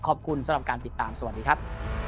ขอบคุณสำหรับการติดตามสวัสดีครับ